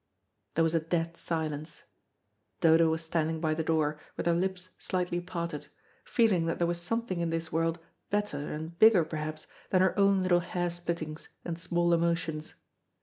There was a dead silence; Dodo was standing by the door, with her lips slightly parted, feeling that there was something in this world better and bigger, perhaps, than her own little hair splittings and small emotions.